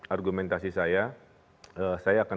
argumentasi saya saya akan